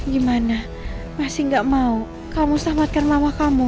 gimana masih gak mau kamu selamatkan lawah kamu